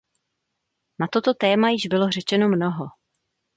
Na toto téma již bylo řečeno mnoho.